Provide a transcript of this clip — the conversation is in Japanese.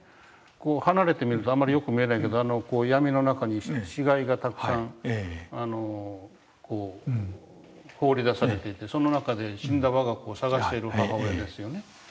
こう離れてみるとあんまりよく見えないけど闇の中に死骸がたくさん放り出されていてその中で死んだわが子を捜している母親ですよね。